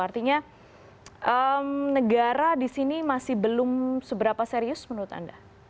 artinya negara di sini masih belum seberapa serius menurut anda